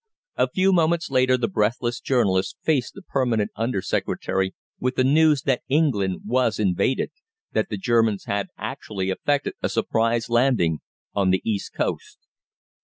A few moments later the breathless journalist faced the Permanent Under Secretary with the news that England was invaded that the Germans had actually effected a surprise landing on the east coast.